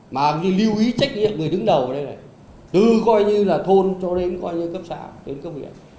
mà lưu ý trách nhiệm người đứng đầu ở đây này từ coi như là thôn cho đến cấp xã đến cấp huyện